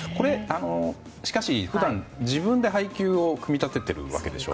しかし、普段自分で配球を組み立ててるわけでしょ。